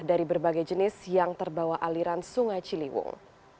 dari berbagai jenis yang terbawa aliran sungai ciliwung